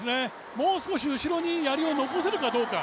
もう少し後ろにやりを残せるかどうか。